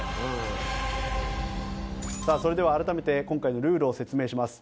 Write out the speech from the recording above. さあそれでは改めて今回のルールを説明します。